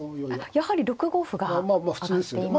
やはり６五歩が挙がっています。